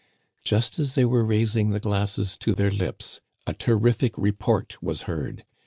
" Just as they were raising the glasses to their lips a terrific report was heard.